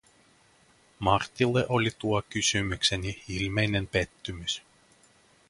Martille oli tuo kysymykseni ilmeinen pettymys.